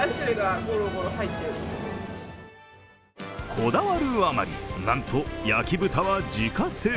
こだわるあまりなんと焼き豚は自家製。